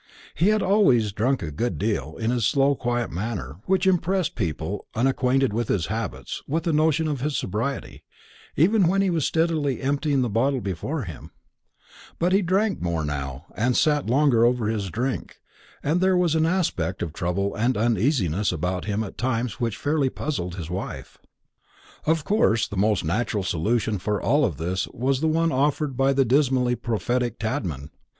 He had always drunk a good deal, in his slow quiet manner, which impressed people unacquainted with his habits with a notion of his sobriety, even when he was steadily emptying the bottle before him; but he drank more now, and sat longer over his drink, and there was an aspect of trouble and uneasiness about him at times which fairly puzzled his wife. Of course the most natural solution for all this was the one offered by the dismally prophetic Tadman.